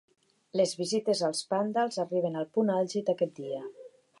Les visites als "pandals" arriben al punt àlgid aquest dia.